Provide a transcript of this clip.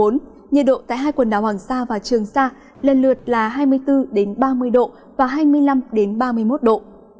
nhiệt độ tại hai quần đảo hoàng sa và trường sa lần lượt là hai mươi bốn ba mươi độ và hai mươi năm ba mươi một độ